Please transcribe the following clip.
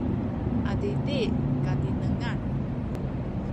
adidi’ katinengan